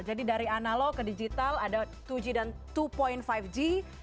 jadi dari analog ke digital ada dua g dan dua lima g